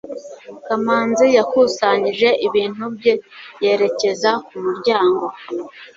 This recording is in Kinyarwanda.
kamanzi yakusanyije ibintu bye yerekeza ku muryango